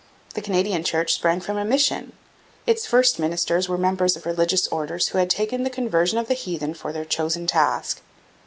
The Canadian Church sprang from a mission. Its first ministers were members of religious orders who had taken the conversion of the heathen for their chosen task.